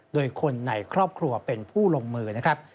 โดยคนในครอบครัวเป็นผู้ลงมือนะครับ